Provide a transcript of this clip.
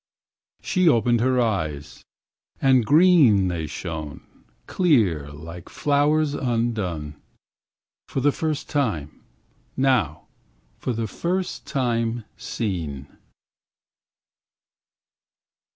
She opened her eyes, and green They shone, clear like flowers undone For the first time, now for the first time seen.